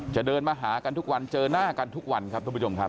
จะเดินมาหากันทุกวันเจอหน้ากันทุกวันครับทุกผู้ชมครับ